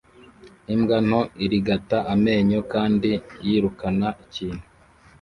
Imbwa nto irigata amenyo kandi yirukana ikintu